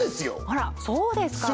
あらそうですか